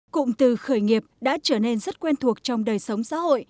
cụm từ khởi nghiệp đã trở nên rất quen thuộc trong đời sống xã hội